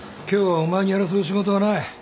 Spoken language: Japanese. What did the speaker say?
今日はお前にやらせる仕事はない。